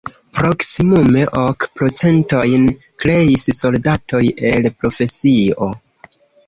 Proksimume ok procentojn kreis soldatoj el profesio.